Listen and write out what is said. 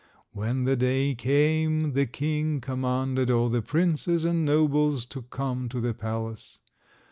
When the day came, the king commanded all the princes and nobles to come to the palace.